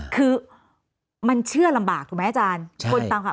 คือมันเชื่อลำบากถูกไหมอาจารย์